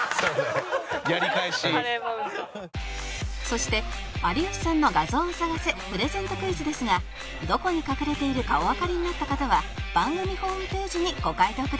そして有吉さんの画像を探せプレゼントクイズですがどこに隠れているかおわかりになった方は番組ホームページにご回答ください